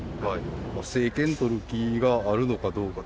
政権取る気があるのかどうか。